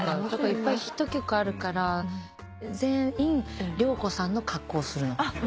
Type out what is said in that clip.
いっぱいヒット曲あるから全員良子さんの格好するの。